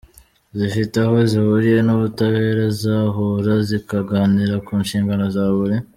zifite aho zihuriye n’ubutabera zahura zikaganira ku nshingano za buri